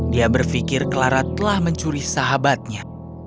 dia berpikir clara telah mencuri sahabatnya